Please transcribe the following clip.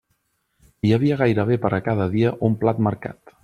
Hi havia gairebé per a cada dia un plat marcat.